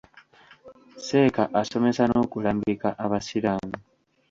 Seeka asomesa n'okulambika abasiraamu.